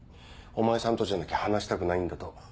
お前さんとじゃなきゃ話したくないんだと。